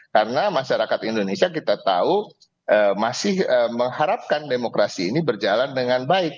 karena masyarakat indonesia kita tahu masih mengharapkan demokrasi ini berjalan dengan baik